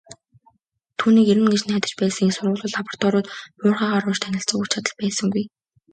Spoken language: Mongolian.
Түүнийг ирнэ гэж найдаж байсан их сургуулиуд, лабораториуд, уурхайгаар орж танилцах хүч чадал байсангүй.